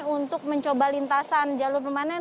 untuk mencoba lintasan jalur permanen